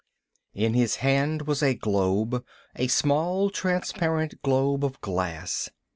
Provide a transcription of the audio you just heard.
In his hand was a globe, a small transparent globe of glass.